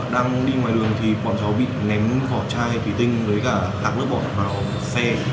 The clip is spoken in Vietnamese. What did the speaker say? đang đi ngoài đường thì bọn cháu bị ném vỏ chai tủy tinh với cả hạt nước bỏ vào xe